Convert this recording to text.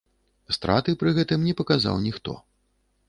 Страты пры гэтым не паказаў ніхто.